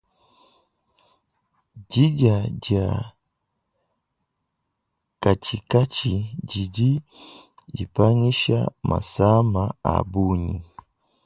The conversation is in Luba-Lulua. Didia dia nkatshinkatshi didi dipangisha masama a bungi.